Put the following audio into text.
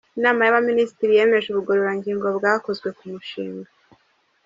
Inama y‟Abaminisitiri yemeje ubugororangingo bwakozwe ku mushinga